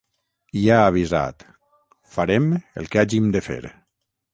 I ha avisat: Farem el que hàgim de fer.